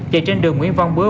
chạy trên đường nguyễn văn bứa